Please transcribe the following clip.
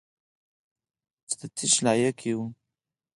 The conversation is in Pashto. چې د څه شي لایق یو .